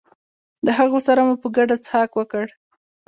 له هغو سره مو په ګډه څښاک وکړ.